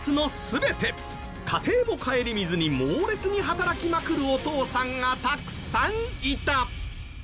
家庭も顧みずに猛烈に働きまくるお父さんがたくさんいた。